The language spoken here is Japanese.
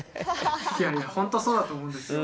いやいやほんとそうだと思うんですよ。